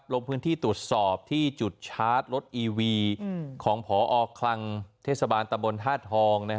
ลงพื้นที่ตรวจสอบที่จุดชาร์จรถอีวีของพอคลังเทศบาลตะบนธาตุทอง